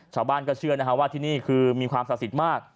ชาวบ้านก็เชื่อว่าที่นี่คือมีความศักดิ์สิทธิ์มาก